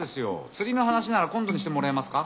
釣りの話なら今度にしてもらえますか？